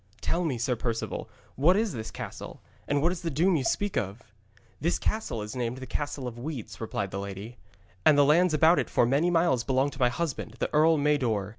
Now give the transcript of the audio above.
'Tell me,' said Perceval, 'what is this castle, and what is the doom you speak of?' 'This castle is named the Castle of Weeds,' replied the lady, 'and the lands about it for many miles belonged to my husband, the Earl Mador.